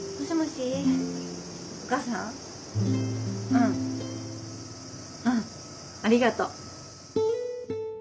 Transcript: うんありがとう。